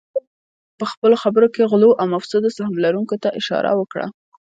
هغه پهخپلو خبرو کې غلو او مفسدو سهم لرونکو ته اشاره وکړه